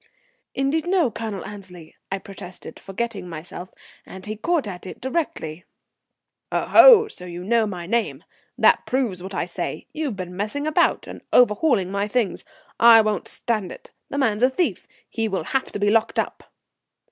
"Indeed no, Colonel Annesley," I protested, forgetting myself; and he caught at it directly. "Oho, so you know my name! That proves what I say. You've been messing about and overhauling my things. I won't stand it. The man's a thief. He will have to be locked up."